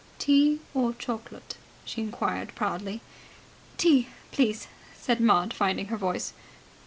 "Tea or chocolate?" she inquired proudly. "Tea, please," said Maud, finding her voice.